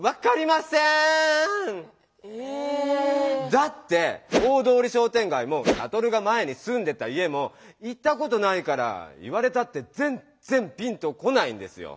だって大通りしょうてんがいもサトルが前にすんでた家も行ったことないから言われたってぜんぜんピンと来ないんですよ。